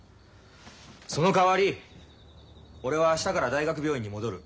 そのかわり俺は明日から大学病院に戻る。